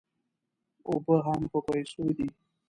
اوبه هم په پیسو دي.